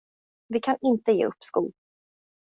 Vi kan inte ge uppskov.